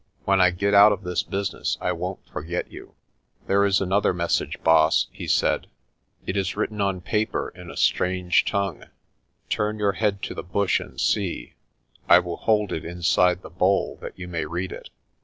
When I get out of this business I won't forget you." "There is another message, Baas," he said "It is written on paper in a strange tongue. Turn your head to the bush and see; I will hold it inside the bowl, that you may read it."